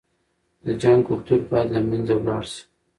د جنګ کلتور بايد له منځه لاړ شي.